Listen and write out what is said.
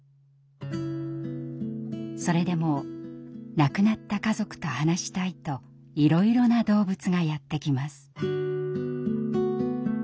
それでも亡くなった家族と話したいといろいろな動物がやって来ます。